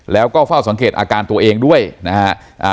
แล้วก็เฝ้าสังเกตอาการตัวเองด้วยนะฮะ